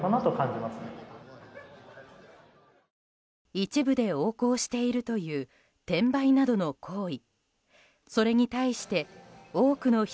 一部で横行しているという転売などの行為。